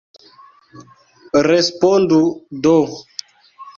Respondu do!